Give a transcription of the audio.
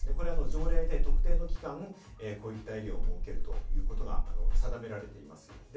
これは条例で特定の期間、こういったエリアを設けるということが定められています。